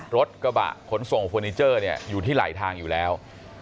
รถกระบะขนส่งเฟอร์นิเจอร์เนี่ยอยู่ที่ไหลทางอยู่แล้ว